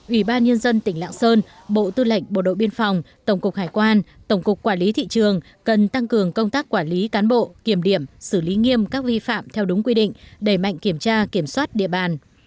ủy ban nhân dân tỉnh lạng sơn bộ tư lệnh bộ đội biên phòng tổng cục hải quan tổng cục quản lý thị trường cần tăng cường công tác quản lý cán bộ kiểm điểm xử lý nghiêm các vi phạm theo đúng quy định đẩy mạnh kiểm tra kiểm soát địa bàn